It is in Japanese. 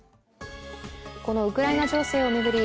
このウクライナ情勢を巡り